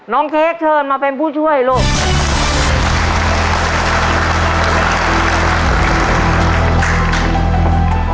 น้องเคคเชิญมาเป็นผู้ช่วยลง